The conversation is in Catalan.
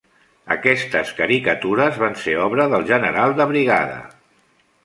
Aquestes caricatures van ser obra del general de brigada.